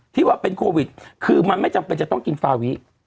ที่ว่าเป็นโควิดคือมันไม่จำเป็นจะต้องกินฟาวิ